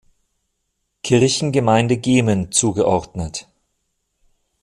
Kirchengemeinde Gemen zugeordnet.